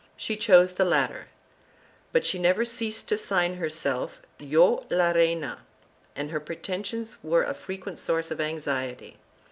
She chose the latter, but she never ceased to sign herself Yo la Reina, and her pretensions were a frequent source of anxiety.